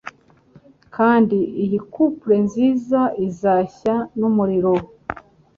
Kandi iyi couple nziza izashya numuriro